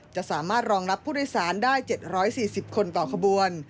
จะสามารถรองรับผู้โดยสารได้๗๔๐คนต่อขบวน